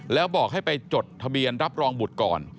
แล้วบอกให้ไปจดทะเบียนรับรองบุตรก่อน